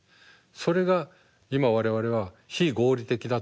それが今我々は非合理的だと思う。